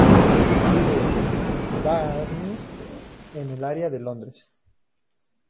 Vive en Barnes, en el área de Londres.